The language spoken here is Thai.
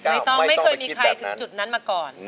ไม่ต้องไม่เคยมีใครถึงจุดนั้นมาก่อน